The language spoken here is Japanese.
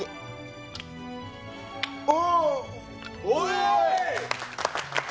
お！